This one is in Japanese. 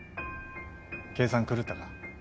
計算狂ったか？